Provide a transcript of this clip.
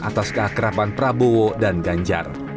atas keakrapan prabowo dan ganjar